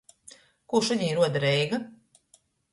Kū šudiņ ruoda Reiga?